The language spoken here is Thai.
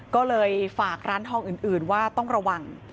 ก็เลยฝากร้านทองอื่นว่าต้องระวัง